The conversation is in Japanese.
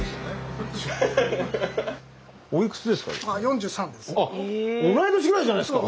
おいくつですか？